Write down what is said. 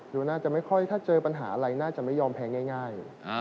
ว่าน่าจะไม่ค่อยถ้าเจอปัญหาอะไรน่าจะไม่ยอมแพ้ง่าย